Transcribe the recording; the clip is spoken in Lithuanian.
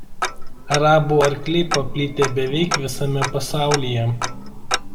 Arabų arkliai paplitę beveik visame pasaulyje.